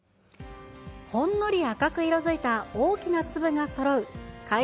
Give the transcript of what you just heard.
ほんのり赤く色づいた大きな粒がそろう甲斐